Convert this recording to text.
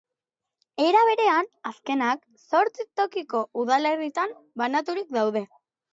Era berean, azkenak zortzi tokiko udalerritan banaturik daude.